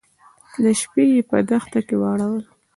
د شپې يې په دښته کې واړول.